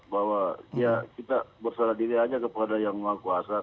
bahwa ya kita bersalah diri aja kepada yang menguasai